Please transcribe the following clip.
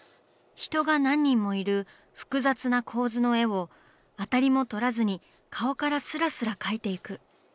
人が何人もいる複雑な構図の絵をアタリもとらずに顔からスラスラ描いていく。